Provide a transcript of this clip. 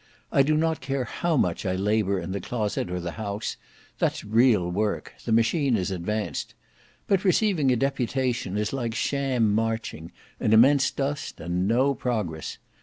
I do not care how much I labour in the Closet or the house; that's real work; the machine is advanced. But receiving a deputation is like sham marching: an immense dust and no progress.